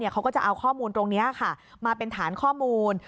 เขาก็จะเอาข้อมูลตรงนี้มาเป็นฐานข้อมูล